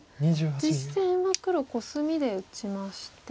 実戦は黒コスミで打ちまして。